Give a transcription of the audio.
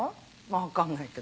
分かんないけど。